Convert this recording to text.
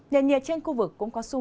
nhiệt nhiệt trên khu vực cũng có xu hướng